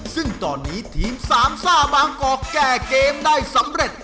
ซึ่งตอนนี้ทีมสามซ่าบางกอกแก้เกมได้สำเร็จ